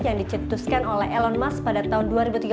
yang dicetuskan oleh elon musk pada tahun dua ribu tiga belas